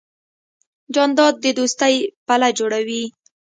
جانداد د دوستۍ پله جوړوي.